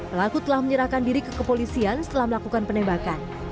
pelaku telah menyerahkan diri ke kepolisian setelah melakukan penembakan